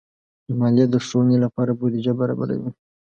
مالیه د ښوونې لپاره بودیجه برابروي.